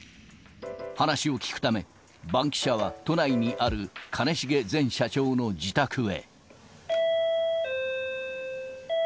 話を聞くため、バンキシャは都内にある兼重前社長の自宅へ。